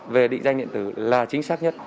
về định danh điện tử là chính xác nhất